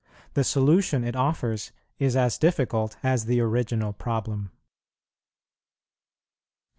The solution it offers is as difficult as the original problem. 20.